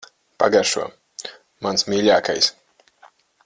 Pagaršo. Mans mīļākais.